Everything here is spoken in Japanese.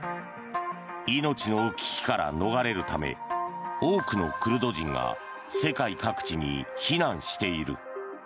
命の危機から逃れるため多くのクルド人が世界各地に避難している。